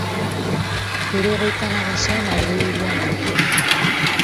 Bere egoitza nagusia Madril hirian du.